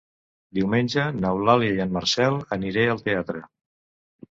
Diumenge n'Eulàlia i en Marcel aniré al teatre.